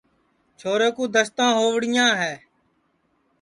چھورے کُو دستاں ہؤڑیاں ہے